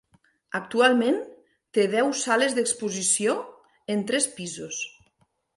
Actualment té deu sales d'exposició, en tres pisos.